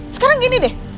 sekarang gini deh